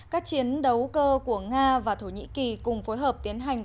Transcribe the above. các chiến đấu cơ của nga và thổ nhĩ kỳ cùng phối hợp tiến hành